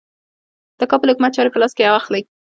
د کابل حکومت چاري په لاس کې واخلي.